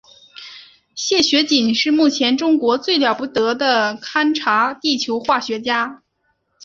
谢学锦是目前中国最了不得的勘察地球化学家。